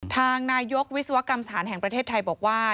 ทางนายกวิศวกรรมสถานแห่งประเทศไทยบอกว่า